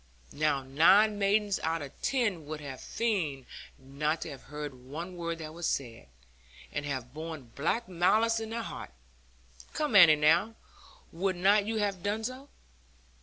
Now nine maidens out of ten would have feigned not to have heard one word that was said, and have borne black malice in their hearts. Come, Annie, now, would not you have done so?'